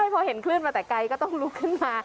พอเห็นคลื่นมาแต่ไกลก็ต้องลุกขึ้นมา